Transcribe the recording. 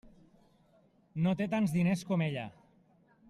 No té tants diners com ella.